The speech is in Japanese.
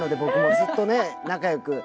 ずっとね仲よく。